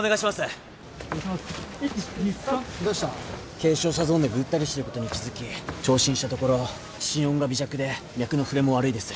軽傷者ゾーンでぐったりしてることに気付き聴診したところ心音が微弱で脈のふれも悪いです。